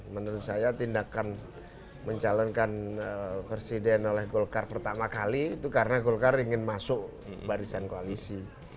menurut saya tindakan mencalonkan presiden oleh golkar pertama kali itu karena golkar ingin masuk barisan koalisi